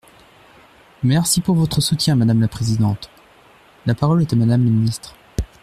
Merci pour votre soutien, madame la présidente ! La parole est à Madame la ministre.